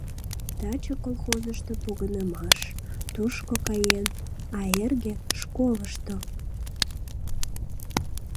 — Таче колхозышто погынымаш, тушко каен, а эрге — школышто.